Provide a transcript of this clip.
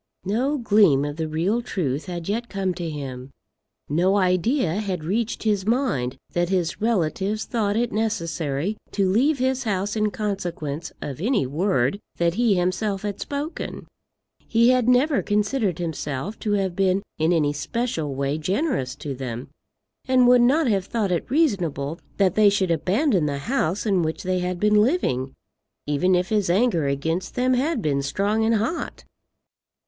No gleam of the real truth had yet come to him. No idea had reached his mind that his relatives thought it necessary to leave his house in consequence of any word that he himself had spoken. He had never considered himself to have been in any special way generous to them, and would not have thought it reasonable that they should abandon the house in which they had been living, even if his anger against them had been strong and hot.